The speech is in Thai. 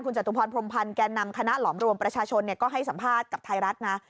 จตุพรพรมพันธ์แก่นำคณะหลอมรวมประชาชนก็ให้สัมภาษณ์กับไทยรัฐนะ